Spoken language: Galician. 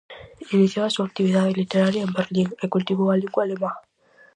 Iniciou a súa actividade literaria en Berlín e cultivou a lingua alemá.